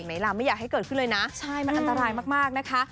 ไหมล่ะไม่อยากให้เกิดขึ้นเลยนะใช่มันอันตรายมากนะคะ